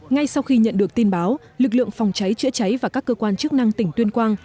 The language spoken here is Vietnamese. ngay sau khi nhận được tin báo lực lượng phòng cháy chữa cháy và các cơ quan chức năng tỉnh tuyên quang